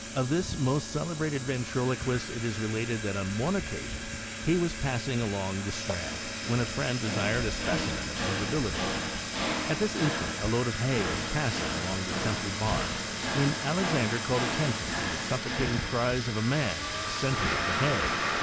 Of tills most celebrated ventriloquist it is related that on one occasion he was passing along the Strand, when a friend desired a specimen of his abilities. At this instant a load of hay wa3 passing along near Temple Bar, when Alexandre called attention to the suffocating cries of a man in the centre of the hay.